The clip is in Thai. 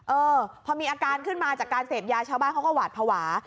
เออพอมีอาการขึ้นมาจากการเสพยาชาวบ้านเขาก็หวาดภาวะ